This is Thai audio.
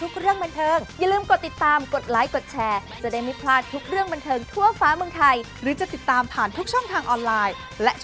คุณอาทำแบบกลับมาอีกครั้งหนึ่งนะคุณผู้ชมนะ